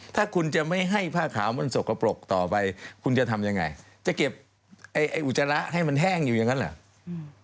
ถ้าคุณจะไม่ให้ผ้าขาวมันสกปรกต่อไปคุณจะทำยังไงจะเก็บไอ้อุจจาระให้มันแห้งอยู่อย่างนั้นเหรอ